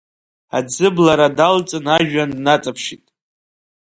Аӡыблара далҵын ажәҩан днаҵаԥшит.